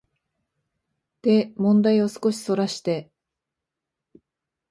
で問題を少しそらして、